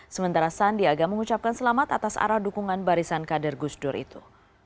sementara sandiaga mengucapkan selamat atas arah dukungan barisan kader gusdur itu